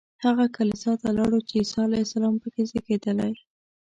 هغه کلیسا ته لاړو چې عیسی علیه السلام په کې زېږېدلی.